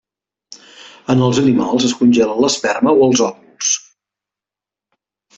En els animals es congela l'esperma o els òvuls.